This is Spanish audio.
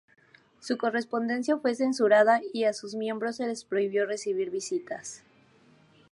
Su correspondencia fue censurada y a sus miembros se les prohibió recibir visitas.